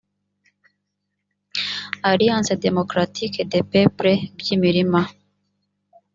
alliance d mocratique des peuples by imirima